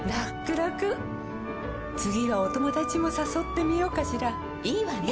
らくらくはお友達もさそってみようかしらいいわね！